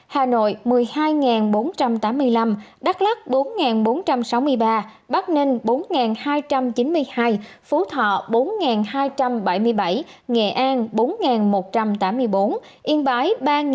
hà nội một mươi hai bốn trăm tám mươi năm đắk lắc bốn bốn trăm sáu mươi ba bắc ninh bốn hai trăm chín mươi hai phú thọ bốn hai trăm bảy mươi bảy nghệ an bốn một trăm tám mươi bốn yên bái ba mươi